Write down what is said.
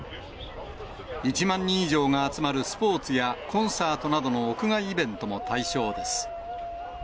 １万人以上が集まるスポーツやコンサートなどの屋外イベントも対象です。